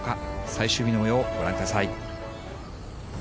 最終日のもよう、ご覧ください。